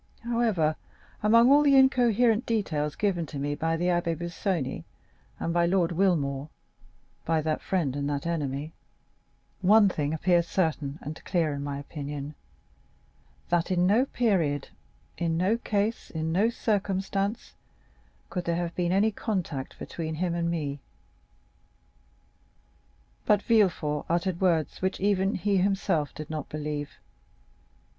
However, among all the incoherent details given to me by the Abbé Busoni and by Lord Wilmore, by that friend and that enemy, one thing appears certain and clear in my opinion—that in no period, in no case, in no circumstance, could there have been any contact between him and me." But Villefort uttered words which even he himself did not believe.